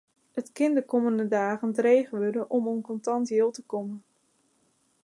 It kin de kommende dagen dreech wurde om oan kontant jild te kommen.